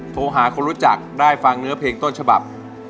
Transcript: โทรหาคนรู้จักได้ฟังเนื้อเพลงต้นฉบับ